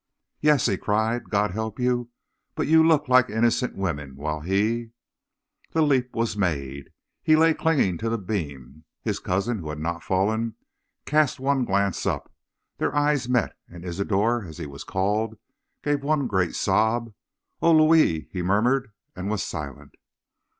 'Yes!' he cried. 'God help you, but you look like innocent women, while he ' The leap was made. He lay clinging to the beam. His cousin, who had not fallen, cast one glance up; their eyes met, and Isidor, as he was called, gave one great sob. 'Oh, Louis!' he murmured, and was silent.